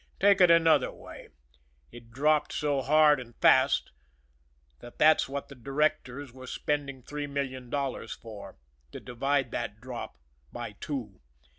Take it another way. It dropped so hard and fast that that's what the directors were spending three million dollars for to divide that drop by two!